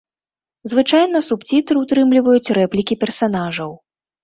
Звычайна субцітры ўтрымліваюць рэплікі персанажаў.